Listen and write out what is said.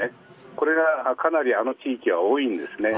これは、かなりあの地域では多いんですね。